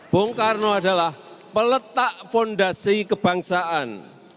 bung karno adalah peletak fondasi kebangsaan